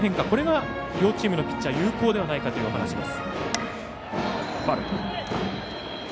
これが両チームのピッチャー有効ではないかというお話です。